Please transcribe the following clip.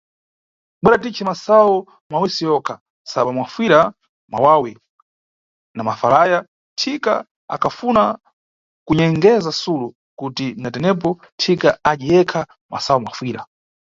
Bwera titce masayu mawisi yonka, sobwa mafuyira mʼmawawi Na mafalaya, Thika akhafuna kunyengeza Sulo, kuti na tenepo Thika adye yekha masayu mafuyira.